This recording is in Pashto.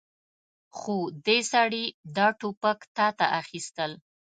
خو دې سړي دا ټوپک تاته اخيستل.